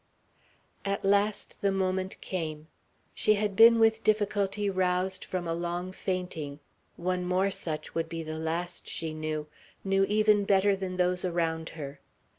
At last the moment came. She had been with difficulty roused from a long fainting; one more such would be the last, she knew, knew even better than those around her.